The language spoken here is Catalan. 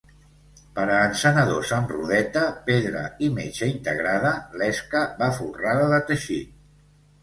Per a encenedors amb rodeta, pedra i metxa integrada, l'esca va folrada de teixit.